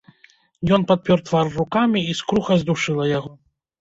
Ён падпёр твар рукамі, і скруха здушыла яго.